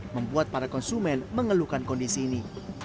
membuat para konsumen mengeluhkan kondisi ini